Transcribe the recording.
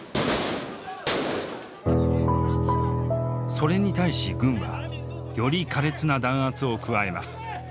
それに対し軍はより苛烈な弾圧を加えます。